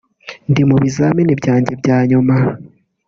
ndi mu bizamini byanjye bya nyuma